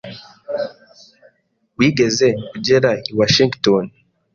Wigeze ugera i Washington,